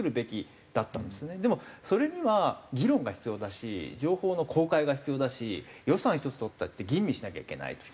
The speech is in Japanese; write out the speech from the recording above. でもそれには議論が必要だし情報の公開が必要だし予算一つ取ったって吟味しなきゃいけないと。